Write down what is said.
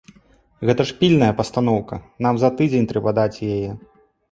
Гэта ж пільная пастаноўка, нам за тыдзень трэба даць яе.